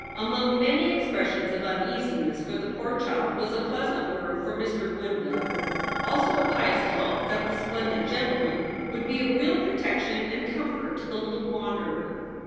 Among many expressions of uneasiness for the poor child was a pleasant word for Mr. Woodville; also a pious hope that the splendid gentleman would be a real protection and comfort to the little wanderer.